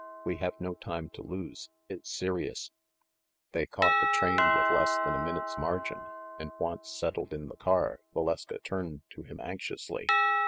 We have no time to lose ! It's serious !" They caught the train with less than a minute's margin; and once settled in the car, Valeska turned to him anxiously.